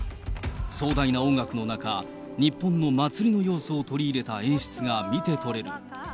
壮大な音楽の中、日本の祭りの様子を取り入れた演出が見て取れる。